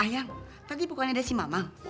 ayang tadi pokoknya ada si mamang